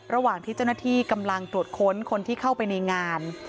ระหว่างที่เจ้าหน้าที่กำลังตรวจค้นคนที่เข้าไปในงาน